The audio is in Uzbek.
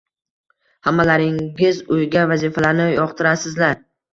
hammalaringiz uyga vazifalarni yoqtirasizlar